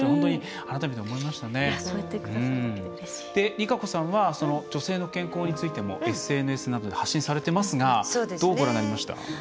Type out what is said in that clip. ＲＩＫＡＣＯさんは女性の健康についてもＳＮＳなどで発信されてますがどうご覧になりました？